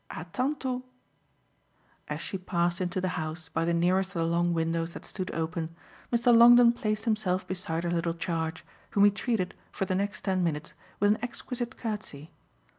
A tantot." As she passed into the house by the nearest of the long windows that stood open Mr. Longdon placed himself beside her little charge, whom he treated, for the next ten minutes, with an exquisite courtesy.